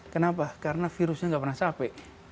kenapa karena virusnya nggak pernah capek